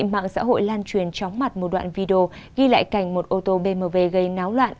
mạng xã hội lan truyền chóng mặt một đoạn video ghi lại cảnh một ô tô bmw gây náo loạn